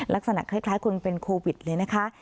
ลักษณะคล้ายคนเป็นโควิดเลยนะคะ